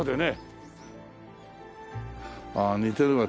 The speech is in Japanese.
ああ似てるわ